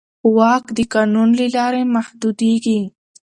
واک د قانون له لارې محدودېږي.